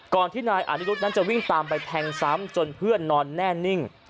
ที่นายอานิรุธนั้นจะวิ่งตามไปแทงซ้ำจนเพื่อนนอนแน่นิ่ง